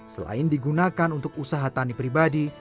selain digunakan untuk usaha tani pribadi